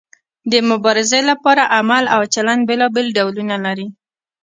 د مبارزې لپاره عمل او چلند بیلابیل ډولونه لري.